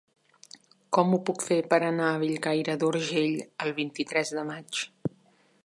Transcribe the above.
Com ho puc fer per anar a Bellcaire d'Urgell el vint-i-tres de maig?